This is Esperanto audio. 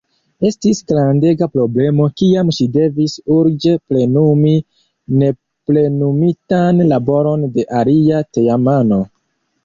Estis grandega problemo kiam ŝi devis “urĝe plenumi neplenumitan laboron de alia teamano.